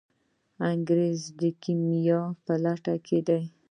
انګریز د کیمیا په لټه کې دی.